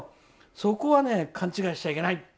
そこは勘違いしちゃいけない。